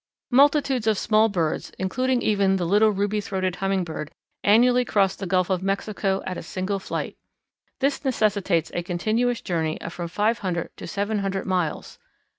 Multitudes of small birds, including even the little Ruby throated Hummingbird, annually cross the Gulf of Mexico at a single flight. This necessitates a continuous journey of from five hundred to seven hundred miles.